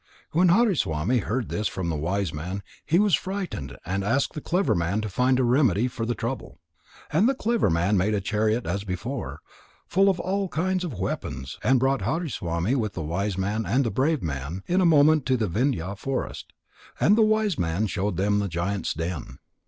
When Hariswami heard this from the wise man, he was frightened and asked the clever man to find a remedy for the trouble. And the clever man made a chariot as before, full of all kinds of weapons, and brought Hariswami with the wise man and the brave man in a moment to the Vindhya forest. And the wise man showed them the giant's den.